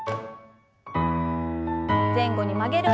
前後に曲げる運動です。